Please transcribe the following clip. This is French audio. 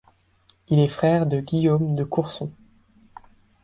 Il est le frère de Guillaume de Courson.